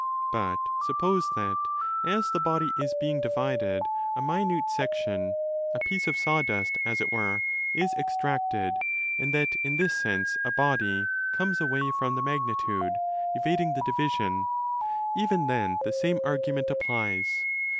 But suppose that, as the body is being divided, a minute section—a piece of sawdust, as it were—is extracted, and that in this sense a body 'comes away' from the magnitude, evading the division. Even then the same* argument applies.